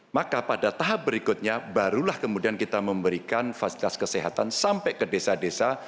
maka pada tahap berikutnya barulah kemudian kita memberikan fasilitas kesehatan sampai ke desa desa